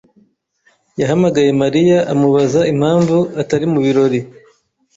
yahamagaye Mariya amubaza impamvu atari mu birori.